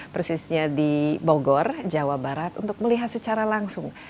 persisnya di bogor jawa barat untuk melihat secara langsung